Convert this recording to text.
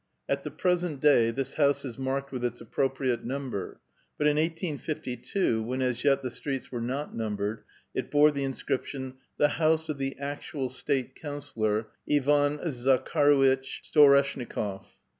At the present day this house is marked with its ap propriate number, but in 1852, when as yet the streets were not numbered, it bore the inscription, ''The house of the Actual State Counsellor,^ Ivdn Zakharuitch Storeshnikof."